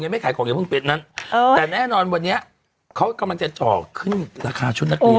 ไม่ขายของอย่าเพิ่งเป็นนั้นแต่แน่นอนวันนี้เขากำลังจะเจาะขึ้นราคาชุดนักเรียน